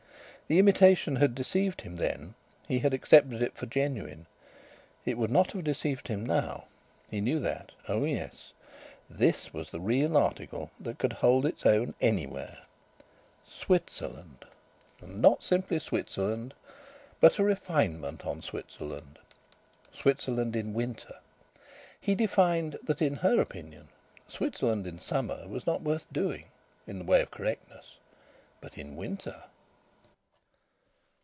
The imitation had deceived him then; he had accepted it for genuine. It would not have deceived him now he knew that. Oh yes! This was the real article that could hold its own anywhere.... Switzerland! And not simply Switzerland, but a refinement on Switzerland! Switzerland in winter! He divined that in her opinion Switzerland in summer was not worth doing in the way of correctness. But in winter...